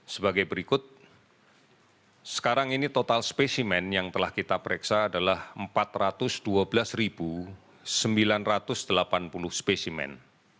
sebagai berikut sekarang ini total spesimen yang telah kita pereksa adalah empat ratus dua belas sembilan ratus delapan puluh spesimen